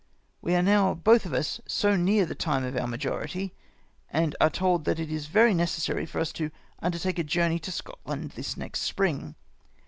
"We are now both of us so near the time of our majority, and are told that it is very necessary for us to undertake a journey to Scotland this next spring.